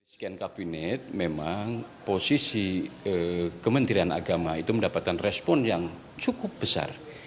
sekian kabinet memang posisi kementerian agama itu mendapatkan respon yang cukup besar